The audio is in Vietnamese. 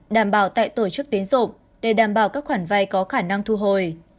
đảm bảo tại tổ chức tiến dụng để đảm bảo các khoản vai có khả năng thu hồi